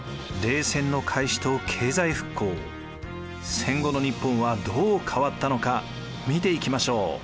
戦後の日本はどう変わったのか見ていきましょう。